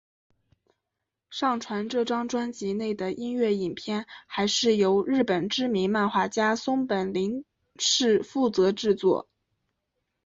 这张专辑内的音乐影片还是由日本知名漫画家松本零士负责制作。